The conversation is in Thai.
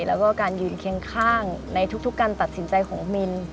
แล้วก็การยืนเคียงข้างในทุกการตัดสินใจของมิน